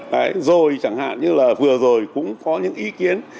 đấy rồi chẳng hạn như là vừa rồi cũng có những ý kiến